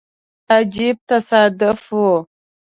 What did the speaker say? عجیب تصادف وو.